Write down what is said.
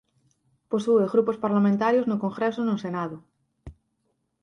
Posúe grupos parlamentarios no Congreso e no Senado.